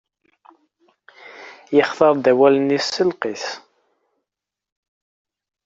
Yextar-d awalen-is s lqis.